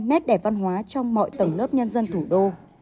nét đẹp văn hóa trong mọi tầng lớp nhân dân thủ đô